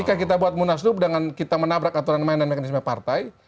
kalau kita buat munaslub dengan kita menabrak aturan mainan mekanisme partai